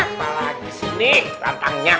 apa lagi sih nih rantangnya